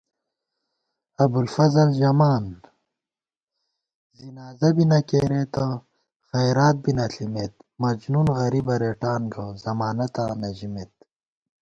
ابُوالفضل ژمان ،ځِنازہ بی نہ کېرېتہ خَیرات بی نہ ݪِمېت * مجنُون غریبہ رېٹان گہ، ضمانَتاں نہ ژِمېت